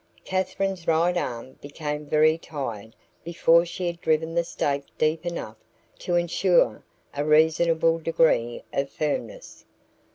Katherine's right arm became very tired before she had driven the stake deep enough to insure a reasonable degree of firmness.